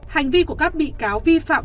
hành vi của các bị cáo vi phạm